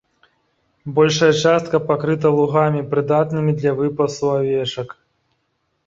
Большая частка пакрыта лугамі, прыдатнымі для выпасу авечак.